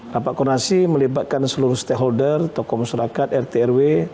rapat koordinasi melibatkan seluruh stakeholder tokoh masyarakat rt rw